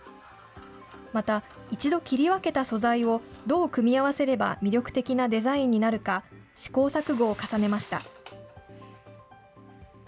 また、一度切り分けた素材を、どう組み合わせれば魅力的なデザインになるか、試行錯誤を重ねました。